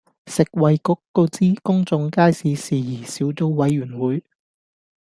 食衞局告知公眾街市事宜小組委員會